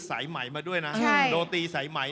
ที่จะเป็นความสุขของชาวบ้าน